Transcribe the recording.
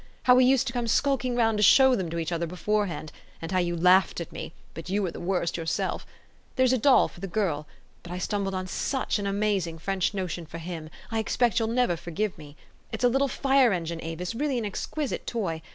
how we used to come skulking round to show them to each other beforehand, and how you laughed at me ; but you were the worst yourself) . There's a doll for the girl ; but I stumbled on such an amaz ing French notion for him: I expect 3^011' 11 never forgive me. It's a little fire engine, Avis, really an exquisite toy.